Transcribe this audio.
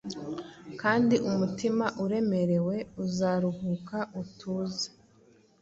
kandi umutima uremerewe uzaruhuka utuze.